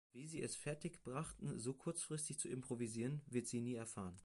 Wie sie es fertigbrachten, so kurzfristig zu improvisieren, wird sie nie erfahren.